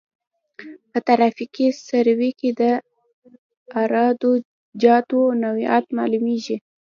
په ترافیکي سروې کې د عراده جاتو نوعیت معلومیږي